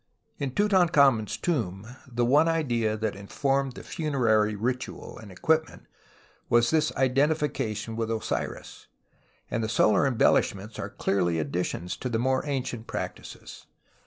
In Tutankhamen's tomb tlie one idea that informed the funerary ritual and equipment was this identification witli Osiris, and the solar embellishments are clearly additions to the more ancient practices.